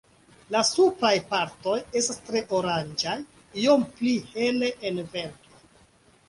La supraj partoj estas tre oranĝaj, iom pli hele en ventro.